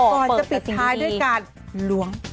ก่อนจะปิดท้ายด้วยการล้วง